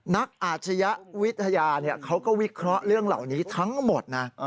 นักอาชญะวิทยาเขาก็วิเคราะห์เรื่องเหล่านี้ทั้งหมดนะ